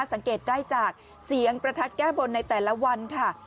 สังเกตได้จากเสียงประทัดแก้บนในแต่ละวันค่ะ